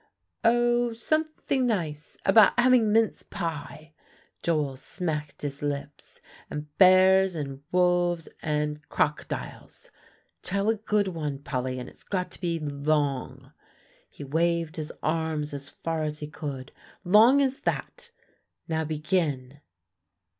"Oh, something nice about having mince pie," Joel smacked his lips, "and bears and wolves and crocodiles. Tell a good one, Polly; and it's got to be long" he waved his arms as far as he could "long as that; now begin."